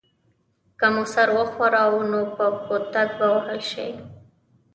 که مو سر وښوراوه نو په کوتک به ووهل شئ.